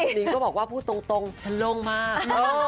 นิงก็บอกว่าพูดตรงฉันโล่งมาก